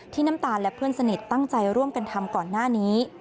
น้ำตาลและเพื่อนสนิทตั้งใจร่วมกันทำก่อนหน้านี้